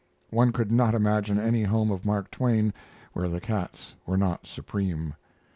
One could not imagine any home of Mark Twain where the cats were not supreme.